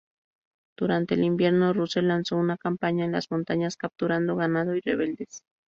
Durante el invierno, Russell lanzó una campaña en las montañas, capturando ganado y rebeldes.